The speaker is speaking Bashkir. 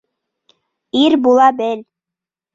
Ир була бел!